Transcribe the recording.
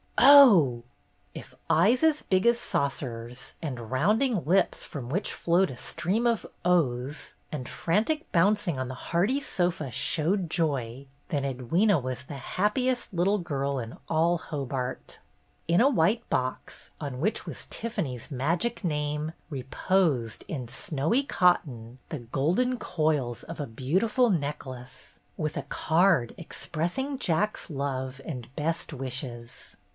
"Oh!" If eyes as big as saucers, and rounding lips from which flowed a stream of "Oh's!" and 26 o BETTY BAIRD'S GOLDEN YEAR frantic bouncing on the hardy sofa showed joy, then Edwyna was the happiest little girl in all Hobart. In a white box, on which was Tiffany's magic name, reposed, in snowy cotton, the golden coils of a beautiful neck lace, with a card expressing Jack's love and best wishes